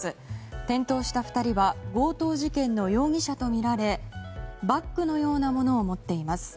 転倒した２人は強盗事件の容疑者とみられバッグのようなものを持っています。